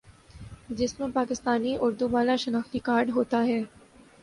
جس میں پاکستانی اردو والا شناختی کارڈ ہوتا ہے